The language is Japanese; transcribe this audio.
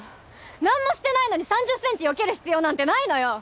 なんもしてないのに３０センチよける必要なんてないのよ！